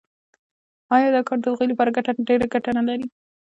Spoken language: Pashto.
دا کار د هغوی لپاره ډېره ګټه نلري